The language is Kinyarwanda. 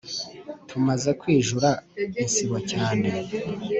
Tumaze kwijura insibo cyane